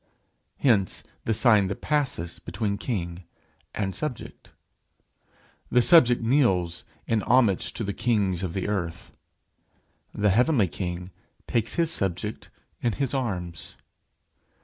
Hence the sign that passes between king and subject. The subject kneels in homage to the kings of the earth: the heavenly king takes his subject in his arms.